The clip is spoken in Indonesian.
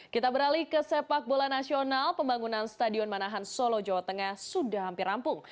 kita beralih ke sepak bola nasional pembangunan stadion manahan solo jawa tengah sudah hampir rampung